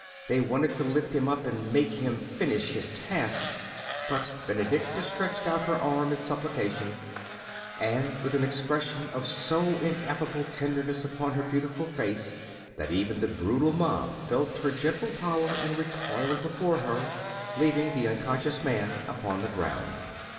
they wanted to lift him up and make him finish his task, but Benedicta stretched out her arm in supplication, and with an expression of so ineffable tenderness upon her beautiful face that even the brutal mob felt her gentle power and recoiled before her, leaving the unconscious man upon the ground.